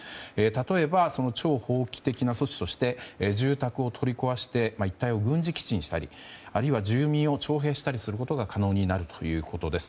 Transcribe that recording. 例えばその超法規的な措置として住宅を取り壊して一帯を軍事基地にしたりあるいは住民を徴兵したりすることが可能になるということです。